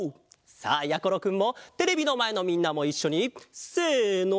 さあやころくんもテレビのまえのみんなもいっしょにせの！